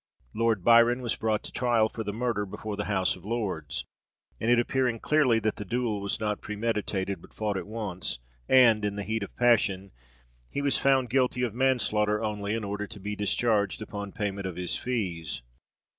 Lord Byron was brought to trial for the murder before the House of Lords; and it appearing clearly that the duel was not premeditated, but fought at once, and in the heat of passion, he was found guilty of manslaughter only, and ordered to be discharged upon payment of his fees.